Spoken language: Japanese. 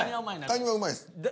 カニはうまいです。